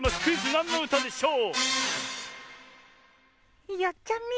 「なんのうたでしょう」！